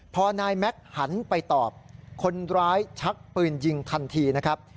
พอนายแม็กซ์หันไปตอบคนร้ายชักปืนยิงทันทีนะครับ